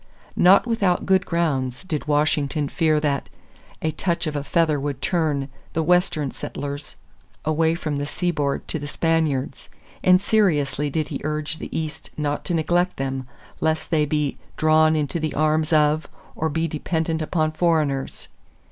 Not without good grounds did Washington fear that "a touch of a feather would turn" the Western settlers away from the seaboard to the Spaniards; and seriously did he urge the East not to neglect them, lest they be "drawn into the arms of, or be dependent upon foreigners."